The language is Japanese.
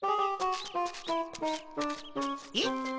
えっ？